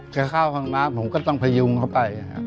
จะเข้าห้องน้ำผมก็ต้องพยุงเข้าไป